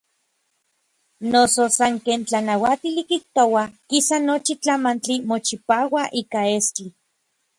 Noso san ken tlanauatili kijtoua, kisa nochi tlamantli mochipaua ika estli.